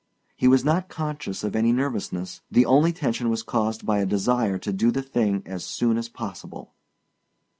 He was not conscious of any nervousness ... the only tension was caused by a desire to do the thing as soon as possible.